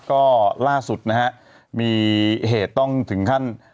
ก็ล่าสุดนะฮะมีเหตุต้องถึงขั้น